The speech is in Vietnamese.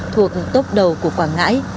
thuộc tốc đầu của quảng ngãi